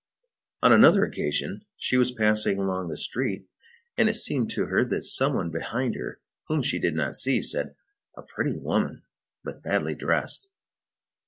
On another occasion, she was passing along the street, and it seemed to her that some one behind her, whom she did not see, said: "A pretty woman! but badly dressed."